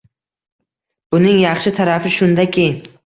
Buning yaxshi tarafi shundaki